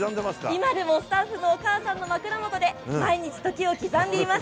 今でもスタッフのお母さんの枕元で、毎日時を刻んでいます。